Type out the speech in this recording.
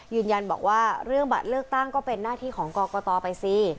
ยืนยันบอกว่าเรื่องบัตรเลือกตั้งก็เป็นหน้าที่ของกรกตไปสิ